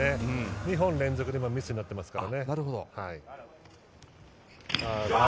２本連続でミスになってますから。